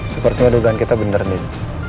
sepertinya dugaan kita bener nin